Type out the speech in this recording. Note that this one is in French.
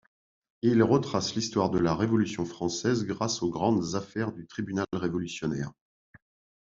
Il retrace l'histoire de la révolution française grâce aux grandes affaires du Tribunal révolutionnaire.